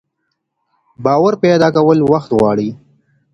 باور پيدا کول وخت غواړي.